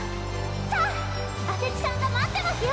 さあ阿世知さんが待ってますよ。